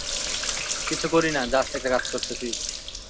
খালিদের মাতা আলবেনীয় বংশোদ্ভূত।